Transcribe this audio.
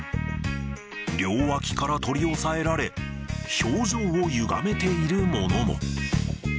両脇から取り押さえられ、表情をゆがめているものも。